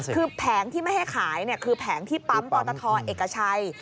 คือแผงที่ไม่ให้ขายคือแผงที่ปั๊มปอตทเอกชัย